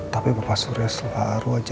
tapi bapak surya selalu aja